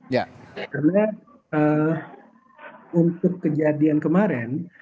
karena untuk kejadian kemarin